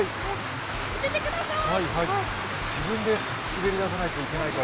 見ててください。